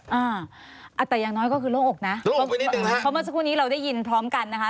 อ่าแต่อย่างน้อยก็คือโล่งอกนะเพราะเมื่อสักครู่นี้เราได้ยินพร้อมกันนะคะ